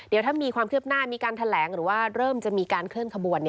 เดี๋ยวถ้ามีความคืบหน้ามีการแถลงหรือว่าเริ่มจะมีการเคลื่อนขบวน